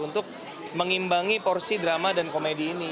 untuk mengimbangi porsi drama dan komedi ini